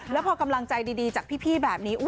แล้วพอกำลังใจดีจากพี่แบบนี้